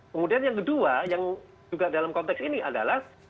kemudian yang kedua yang juga dalam konteks ini adalah